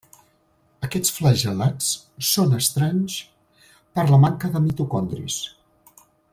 Aquests flagel·lats són estranys per la manca de mitocondris.